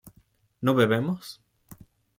¿no bebemos?